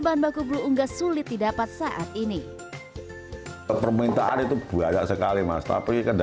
bahan baku bulu unggas sulit didapat saat ini permintaan itu banyak sekali mas tapi